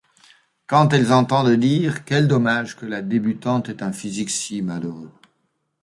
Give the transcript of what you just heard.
Quand elles entendent dire : Quel dommage que la débutante ait un physique si malheureux !